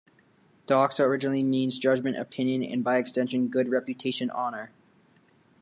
"Doxa" originally means "judgment, opinion", and by extension, "good reputation, honor".